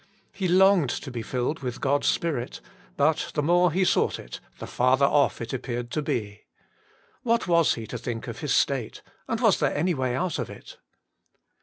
He longed to be filled with God s Spirit, but the more he sought it, the farther off it appeared to be. What was he to think of his state, and was there any way out of it?